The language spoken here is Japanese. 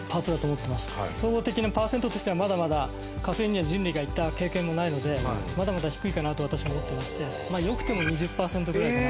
総合的なパーセントとしてはまだまだ火星には人類が行った経験もないのでまだまだ低いかなと私は思ってましてまあ良くても２０パーセントぐらいかなと。